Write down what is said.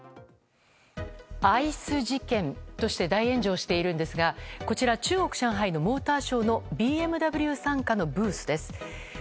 アイス事件として大炎上しているんですがこちら中国・上海のモーターショーのＢＭＷ傘下のブースです。